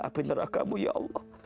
api neraka mu ya allah